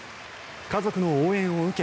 家族の応援を受け